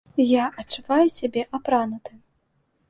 Я адчуваю сябе апранутым.